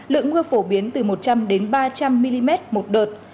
lượng mưa phổ biến từ một trăm linh ba trăm linh mm một đợt